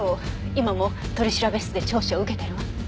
今も取調室で調書を受けてるわ。